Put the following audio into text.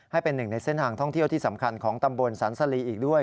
ให้เป็นหนึ่งในเส้นทางท่องเที่ยวที่สำคัญของตำบลสันสลีอีกด้วย